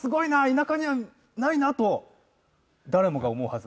田舎にはないなと誰もが思うはず。